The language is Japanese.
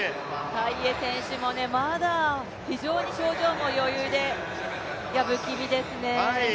タイエ選手もまだ非常に表情も余裕で、不気味ですね。